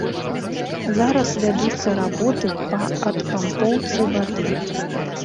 Зараз вядуцца работы па адпампоўцы вады.